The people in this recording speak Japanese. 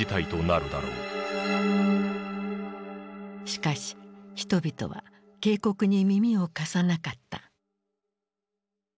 しかし人々は警告に耳を貸さなかった。